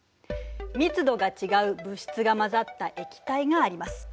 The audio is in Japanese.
密度が違う物質が混ざった液体があります。